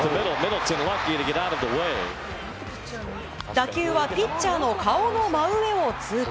打球はピッチャーの顔の真上を通過。